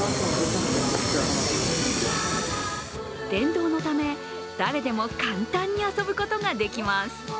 電動のため、誰でも簡単に遊ぶことができます。